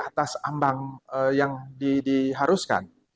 atas ambang yang diharuskan